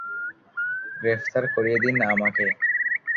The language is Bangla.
গ্রেফতার করিয়ে দিন আমাকে।